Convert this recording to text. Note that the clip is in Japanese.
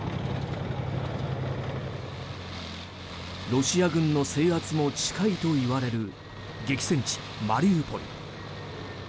ロシア軍の制圧も近いといわれる激戦地マリウポリ。